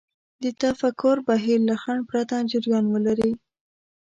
د تفکر بهير له خنډ پرته جريان ولري.